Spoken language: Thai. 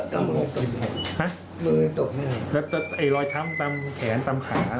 ก็ตามมือตกมือตกไม่ได้ครับฮะแล้วไอ้รอยช้ำตามแขนตามขา